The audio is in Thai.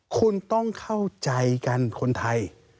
คุณต้องเข้าใจกันคนไทย